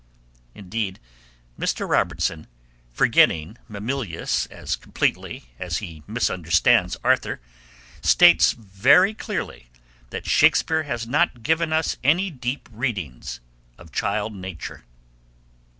Indeed, Mr. Robertson, forgetting Mamillius as completely as he misunderstands Arthur, states very clearly that Shakespeare has not given us any deep readings of child nature.